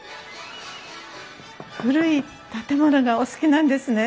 古い建物がお好きなんですね？